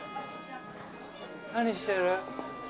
何してる？